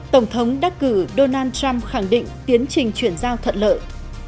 tổng thống đắc cử donald trump khẳng định tiến trình chuyển giao thuận lợi